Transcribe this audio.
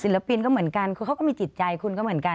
ปินก็เหมือนกันคือเขาก็มีจิตใจคุณก็เหมือนกัน